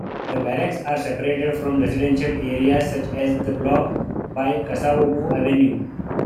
The barracks are separated from residential areas such as the "Block" by Kasavubu Avenue.